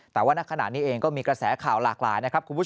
แต่ว่านักขนาดนี้เองมีกระแสข่าวหลากหลาย